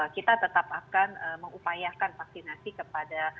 kita tetap akan mengupayakan vaksinasi kepada